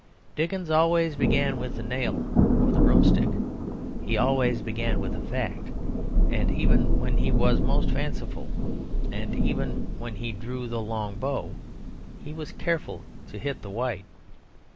Dickens always began with the nail or the broom stick. He always began with a fact even when he was most fanciful; and even when he drew the long bow he was careful to hit the white.